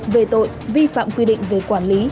về tội vi phạm quy định về quản lý